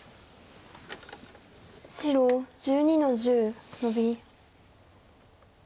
白１２の十ノビ。